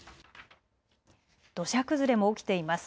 土砂崩れも起きています。